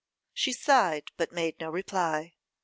She sighed, but made no reply.